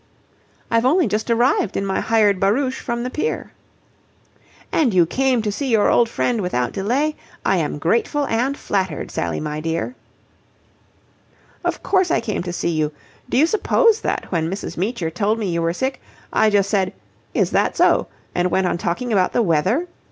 "I've only just arrived in my hired barouche from the pier." "And you came to see your old friend without delay? I am grateful and flattered. Sally, my dear." "Of course I came to see you. Do you suppose that, when Mrs. Meecher told me you were sick, I just said 'Is that so?' and went on talking about the weather?